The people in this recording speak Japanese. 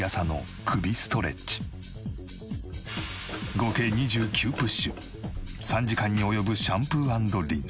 合計２９プッシュ３時間に及ぶシャンプー＆リンス。